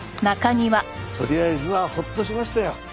とりあえずはホッとしましたよ。